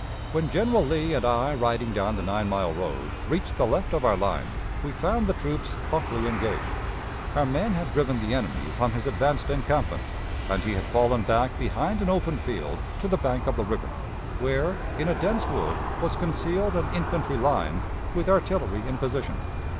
When General Lee and I riding down the Nine mile road reached the left of our line, we found the troops hotly engaged. Our men had driven the enemy from his advanced encampment, and he had fallen back behind an open field to the bank of the river, where, in a dense wood, was concealed an infantry line, with artillery in position.